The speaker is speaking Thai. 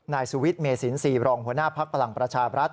นายสุวิทย์เมสิน๔รองหัวหน้าภักดิ์พลังประชาบรัฐ